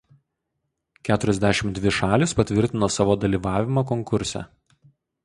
Keturiasdešimt dvi šalys patvirtino savo dalyvavimą konkurse.